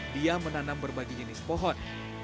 dia menanam berbagai jenis pohon